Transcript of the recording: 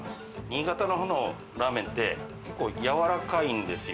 新潟のほうのラーメンって結構軟らかいんですよ。